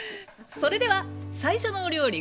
それでは最初のお料理